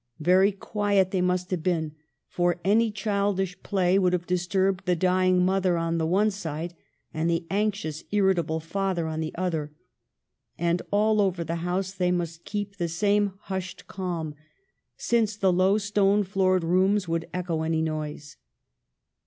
Very quiet they must have been ; for any childish play would have disturbed the dying mother on the one side, and the anxious, irritable father on the other. And all over the house they must keep the same hushed calm, since the low stone floored rooms would echo any noise.